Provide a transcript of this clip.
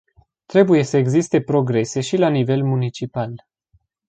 Trebuie să existe progrese și la nivel municipal.